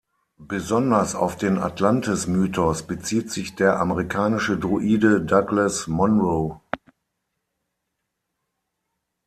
Besonders auf den Atlantis-Mythos bezieht sich der amerikanische Druide Douglas Monroe.